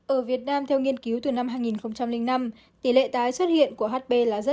ở việt nam theo nghiên cứu từ năm hai nghìn năm tỷ lệ tái xuất hiện của hp là rất